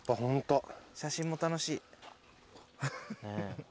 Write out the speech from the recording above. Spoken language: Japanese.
写真も楽しい。